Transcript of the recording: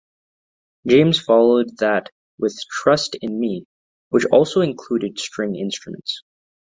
James followed that with "Trust in Me", which also included string instruments.